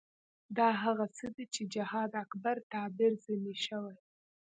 دا هغه څه دي چې جهاد اکبر تعبیر ځنې شوی.